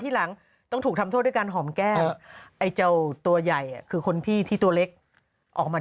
ที่หลังต้องถูกทำโทษด้วยการหอมแก้มไอ้เจ้าตัวใหญ่คือคนพี่ที่ตัวเล็กออกมา